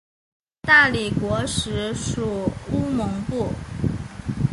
大理国时属乌蒙部。